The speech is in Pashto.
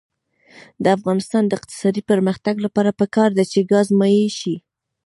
د افغانستان د اقتصادي پرمختګ لپاره پکار ده چې ګاز مایع شي.